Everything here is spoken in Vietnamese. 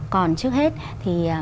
còn trước hết thì